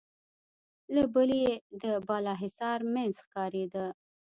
له بلې يې د بالاحصار مينځ ښکارېده.